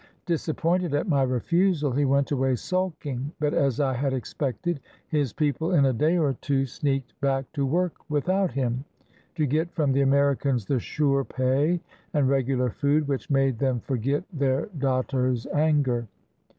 Disappointed at my refusal, he went away sulking; but, as I had expected, his people in a day or two sneaked back to work without him, to get from the Americans the sure pay and regular food which made them forget their datto's anger.